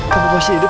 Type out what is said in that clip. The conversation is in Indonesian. kamu masih hidup